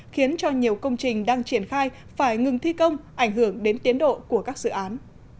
khiến cho nhiều công trình đang triển khai phải ngừng thi công ảnh hưởng đến tiến độ của các dự án